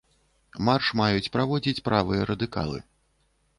Марш маюць праводзіць правыя радыкалы.